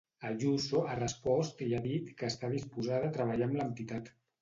Ayuso ha respost i ha dit que està disposada a treballar amb l'entitat.